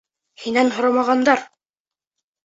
Һинән һорамағандар.